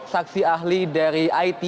saksi ahli dari it